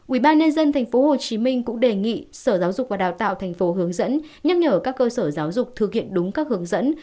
ubnd tp hcm cũng đề nghị sở giáo dục và đào tạo tp hướng dẫn nhắc nhở các cơ sở giáo dục thực hiện đúng các hướng dẫn